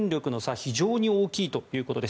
非常に大きいということです。